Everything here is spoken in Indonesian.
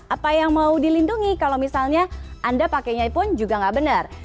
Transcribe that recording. apa yang mau dilindungi kalau misalnya anda pakainya pun juga nggak benar